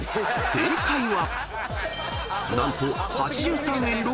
［正解は］